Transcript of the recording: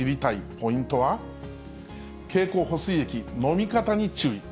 ポイントは、経口補水液、飲み方に注意。